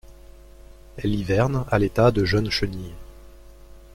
Elle hiverne à l'état de jeune chenille.